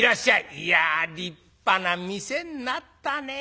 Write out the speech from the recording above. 「いや立派な店になったね。